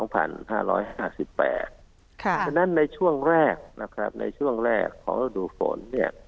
เพราะฉะนั้นในช่วงแรกในช่วงแรกของระดูฝน